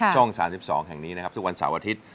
ช่อง๓๒แห่งนี้นะครับทุกวันเสาร์อาทิตย์